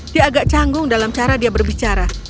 dia agak canggung dalam cara dia berbicara